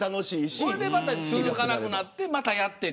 それで続かなくなってまた、やってって。